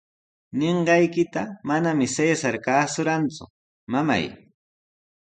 Ninqaykita manami Cesar kaasurqanku, mamay.